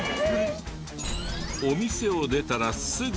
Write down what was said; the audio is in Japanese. お店を出たらすぐ。